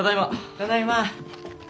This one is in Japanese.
ただいま。